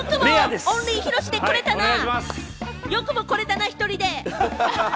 よくも来れたな、１人で。